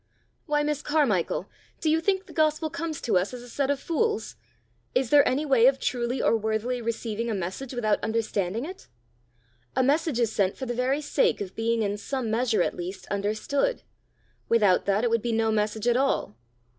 "Why, Miss Carmichael, do you think the gospel comes to us as a set of fools? Is there any way of truly or worthily receiving a message without understanding it? A message is sent for the very sake of being in some measure at least understood. Without that it would be no message at all.